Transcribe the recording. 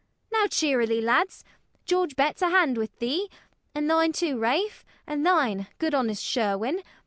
Now cheerily, lads! George Betts, a hand with thee; And thine too, Rafe, and thine, good honest Sherwin.